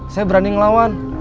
saya berani ngelawan